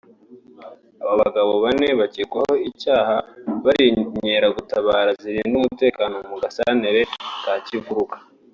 Abo bagabo bane bakekwaho icyaha bari inkeragutabara zirinda umutekano mu gasantere ka Kivuruga